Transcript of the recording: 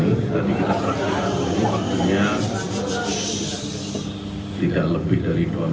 tadi kita perhatikan waktunya tidak lebih dari dua ratus